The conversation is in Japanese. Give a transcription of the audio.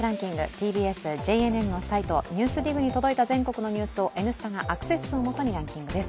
ＴＢＳ・ＪＮＮのサイト「ＮＥＷＳＤＩＧ」に届いた全国のニュースを「Ｎスタ」がアクセス数を基にランキングです。